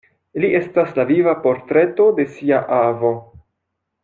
Li estas la viva portreto de sia avo!